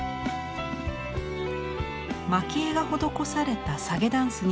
まき絵が施された提